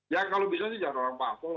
ya kalau bisa sih jangan orang parpol